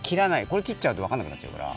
これ切っちゃうとわかんなくなっちゃうから。